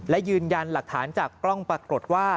และยืนยันหลักฐานจากกล้องปรากฏว่า